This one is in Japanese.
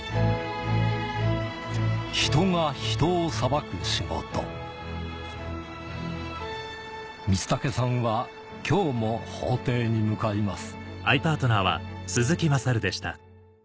人が人を裁く仕事光武さんは今日も法廷に向かいます